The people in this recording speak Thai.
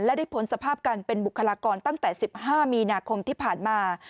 และได้พ้นสภาพการเป็นบุคลากรตั้งแต่๑๕มีนาคมที่ผ่านมา